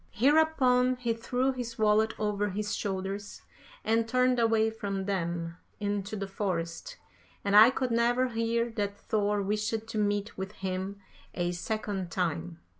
"Hereupon, he threw his wallet over his shoulders and turned away from them, into the forest, and I could never hear that Thor wished to meet with him a second time.